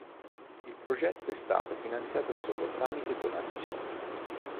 Il progetto è stato finanziato solo tramite donazioni.